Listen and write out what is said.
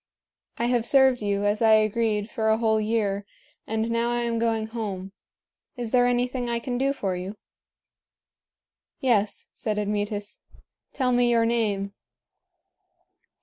I have served you, as I agreed, for a whole year, and now I am going home. Is there anything I can do for you?" "Yes," said Admetus; "tell me your name."